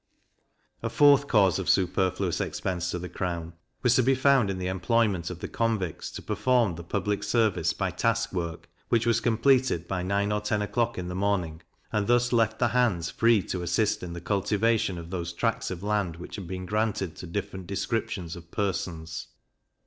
A 4th cause of superfluous expense to the crown, was to be found in the employment of the convicts to perform the public service by task work, which was completed by nine or ten o'clock in the morning, and thus left the hands free to assist in the cultivation of those tracts of land which had been granted to different descriptions of persons.